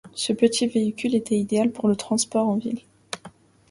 Ce petit véhicule était idéal pour le transport en ville.